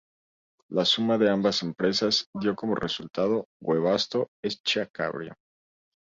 La suma de ambas empresas dio como resultado Webasto-Edscha Cabrio.